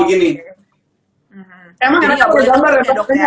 ini gak boleh damar ya dok ya